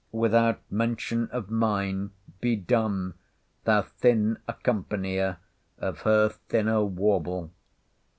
Without mention of mine, be dumb, thou thin accompanier of her thinner warble!